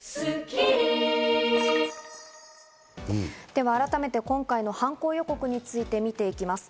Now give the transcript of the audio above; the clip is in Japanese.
では改めて今回の犯行予告について見ていきます。